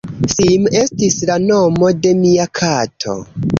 Sim estis la nomo de mia kato.